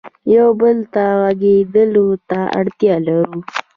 یو بل ته غږېدلو ته اړتیا لرو.